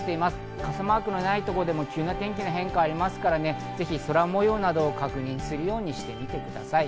傘マークがないところでも急な天気の変化があるので空模様を確認するようにしてください。